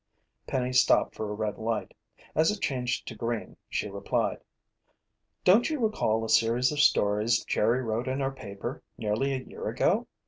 Penny stopped for a red light. As it changed to green she replied: "Don't you recall a series of stories Jerry wrote in our paper nearly a year ago?